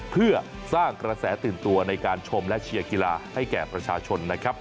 เพื่อสร้างกระแสตื่นตัวในการชมและเชียร์กีฬาให้แก่ประชาชนนะครับ